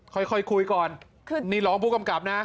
ค่อยคุยก่อนขึ้นนี่รองผู้กำกับนะ